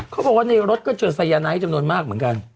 เขาบอกว่ารถเคยเจอสัยธารณะให้จำนวนมากเหมือนกัน